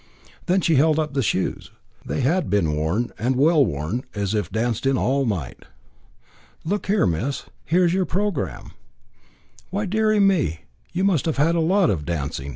She then held up the shoes. They had been worn, and well worn, as if danced in all night. "Look here, miss; here is your programme! Why, deary me! you must have had a lot of dancing.